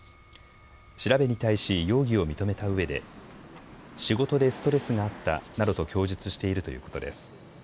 調べに対し容疑を認めたうえで仕事でストレスがあったなどと供述しているということです。